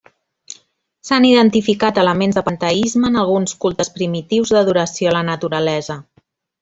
S'han identificat elements de panteisme en alguns cultes primitius d'adoració a la naturalesa.